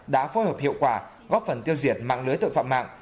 đã phối hợp hiệu quả góp phần tiêu diệt mạng lưới tội phạm mạng